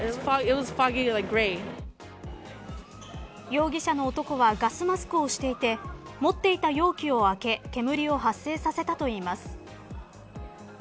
容疑者の男はガスマスクをしていて持っていた容器を開け煙を発生させたといいます。